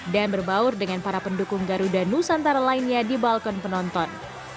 dan berbaur dengan para pendukung garuda nusantara lainnya di balkon penonton